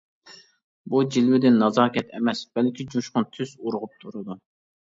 بۇ جىلۋىدىن نازاكەت ئەمەس بەلكى جۇشقۇن تۈس ئۇرغۇپ تۇرىدۇ.